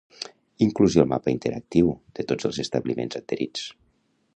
Inclusió al mapa interactiu de tots els establiments adherits